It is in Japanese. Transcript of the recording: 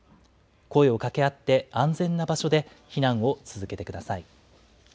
声をかけ合って、安全な場所で避難を続けてください。